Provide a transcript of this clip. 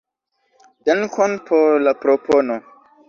Dankon por la propono.